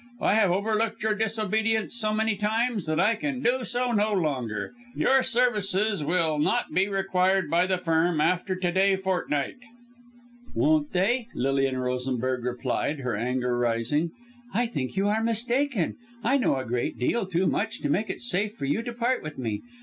I have overlooked your disobedience so many times that I can do so no longer. Your services will not be required by the Firm after to day fortnight." "Won't they?" Lilian Rosenberg replied, her anger rising. "I think you are mistaken. I know a great deal too much to make it safe for you to part with me.